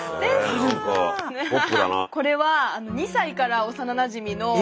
これは２歳から幼なじみの。